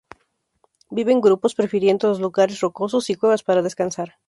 Vive en grupos, prefiriendo los lugares rocosos y cuevas para descansar.